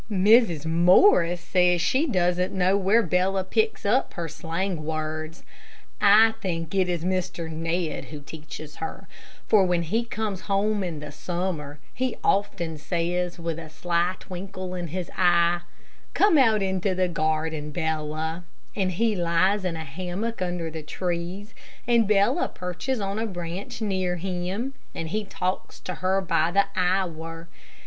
Mrs. Morris says that she doesn't know where Bella picks up her slang words. I think it is Mr. Ned who teaches her, for when he comes home in the summer he often says, with a sly twinkle in his eye, "Come out into the garden, Bella," and he lies in a hammock under the trees, and Bella perches on a branch near him, and he talks to her by the hour.